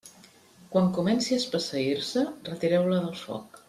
Quan comenci a espesseir-se, retireu-la del foc.